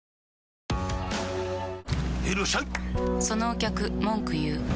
そのお客文句言う。